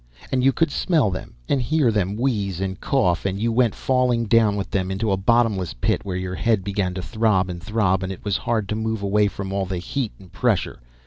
And you could smell them, and hear them wheeze and cough, and you went falling down with them into a bottomless pit where your head began to throb and throb and it was hard to move away from all that heat and pressure.